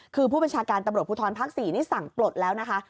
คือผู้บัญชาการตำรวจภูทรภาค๔นี่สั่งปลดแล้วนะคะ